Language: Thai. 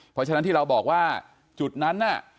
เพราะฉะนั้นที่เราบอกว่าจุดนั้นน่ะ